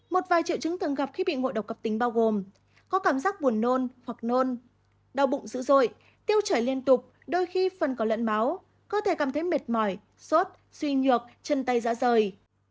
một vài triệu chứng thường gặp khi bị ngộ độc cấp tính bao gồm có cảm giác buồn nôn hoặc nôn đau bụng dữ dội tiêu chảy liên tục đôi khi phần có lẫn máu cơ thể cảm thấy mệt mỏi sốt suy nhược chân tay dãi